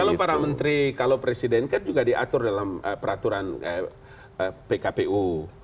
kalau para menteri kalau presiden kan juga diatur dalam peraturan pkpu